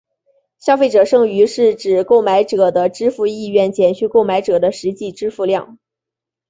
消费者剩余是指购买者的支付意愿减去购买者的实际支付量。